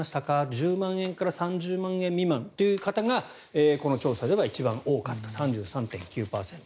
１０万円から３０万円未満という方がこの調査では一番多かった３３．９％。